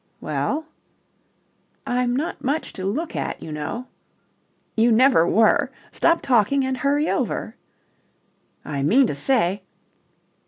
"Well?" "I'm not much to look at, you know." "You never were. Stop talking and hurry over." "I mean to say..."